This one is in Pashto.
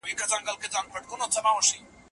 کاش چي انسان خپله دنده په سمه توګه ترسره کړې وای.